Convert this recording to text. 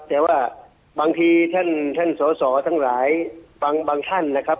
แต่ว่าบางทีท่านสอสอทั้งหลายบางท่านนะครับ